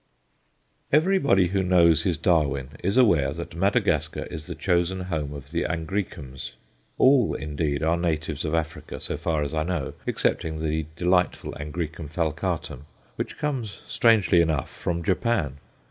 Everybody who knows his "Darwin" is aware that Madagascar is the chosen home of the Angræcums. All, indeed, are natives of Africa, so far as I know, excepting the delightful A. falcatum, which comes, strangely enough, from Japan.